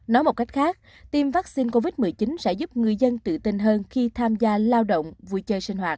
nói một cách khác tiêm vaccine covid một mươi chín sẽ giúp người dân tự tin hơn khi tham gia lao động vui chơi sinh hoạt